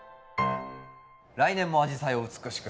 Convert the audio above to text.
来年もアジサイを美しく咲かせたい。